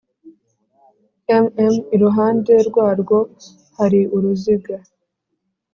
Mm iruhande rwarwo hari uruziga